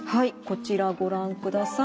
こちらご覧ください。